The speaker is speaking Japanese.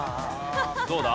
どうだ？